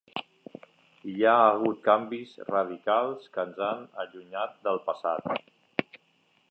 Hi ha hagut canvis radicals que ens han allunyat del passat.